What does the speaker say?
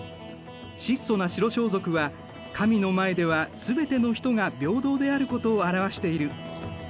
質素な白装束は神の前では全ての人が平等であることを表している。